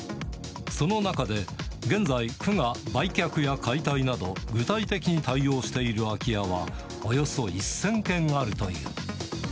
その中で、現在、区が売却や解体など、具体的に対応している空き家はおよそ１０００件あるという。